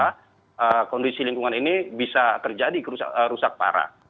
karena kondisi lingkungan ini bisa terjadi rusak parah